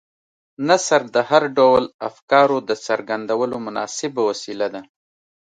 نثر د هر ډول افکارو د څرګندولو مناسبه وسیله ده.